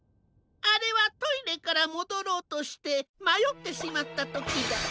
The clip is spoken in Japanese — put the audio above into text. あれはトイレからもどろうとしてまよってしまったときだ。